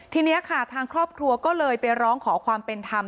ทีนี้ค่ะทางครอบครัวก็เลยไปร้องขอความเป็นธรรม